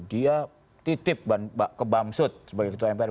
dia titip ke bamsud sebagai ketua mpr